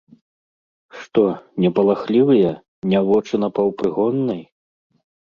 Што, не палахлівыя, не вочы напаўпрыгоннай?